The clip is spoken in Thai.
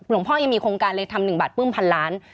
พ่อยังมีโครงการเลยทำ๑บาทปลื้มพันล้าน